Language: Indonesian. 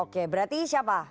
oke berarti siapa